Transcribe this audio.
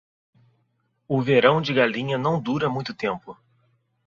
O verão de galinha não dura muito tempo.